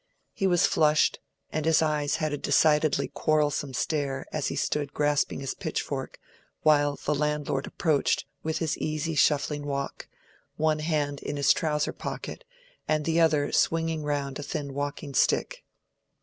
He was flushed, and his eyes had a decidedly quarrelsome stare as he stood still grasping his pitchfork, while the landlord approached with his easy shuffling walk, one hand in his trouser pocket and the other swinging round a thin walking stick.